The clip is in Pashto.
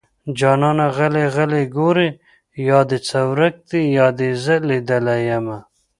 جانانه غلی غلی ګورې يا دې څه ورک دي يا دې زه ليدلې يمه